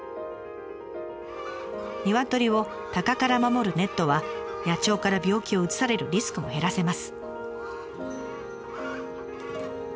ニワトリをタカから守るネットは野鳥から病気をうつされるリスクも減らせます。